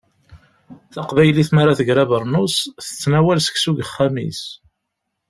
Taqbaylit mi ara tger abernus, tettnawal seksu deg uxxam-is.